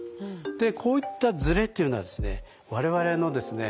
でこういったズレというのはですね我々のですね